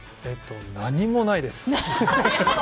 何もないです。